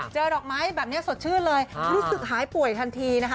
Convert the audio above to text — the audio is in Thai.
ดอกไม้แบบนี้สดชื่นเลยรู้สึกหายป่วยทันทีนะคะ